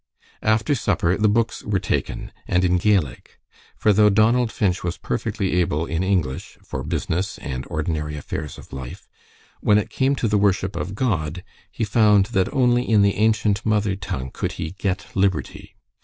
After supper the books were taken, and in Gaelic, for though Donald Finch was perfectly able in English for business and ordinary affairs of life, when it came to the worship of God, he found that only in the ancient mother tongue could he "get liberty."